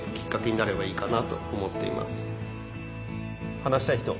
話したい人？